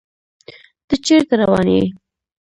ته چيرته روان يې